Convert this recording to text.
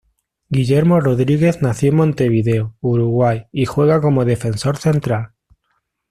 Guillermo Rodríguez nació en Montevideo, Uruguay y juega como defensor central.